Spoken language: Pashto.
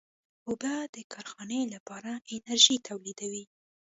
اوبه د کارخانې لپاره انرژي تولیدوي.